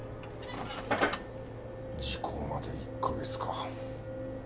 時効まで１か月か。